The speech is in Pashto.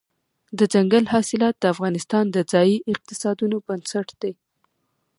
دځنګل حاصلات د افغانستان د ځایي اقتصادونو بنسټ دی.